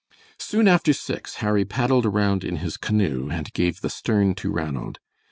Soon after six, Harry paddled around in his canoe, and gave the stern to Ranald.